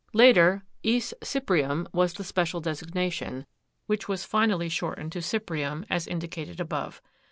Later Aes cyprium was the special designation, which was finally shortened to cyprium, as indicated above.